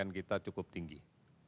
yang menyebabkan penyakit paru paru